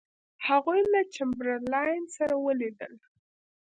هغوی له چمبرلاین سره ولیدل.